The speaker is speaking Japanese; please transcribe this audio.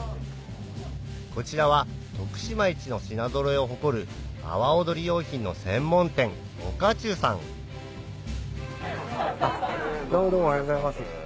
こちらは徳島一の品ぞろえを誇る阿波おどり用品の専門店あっどうもおはようございます。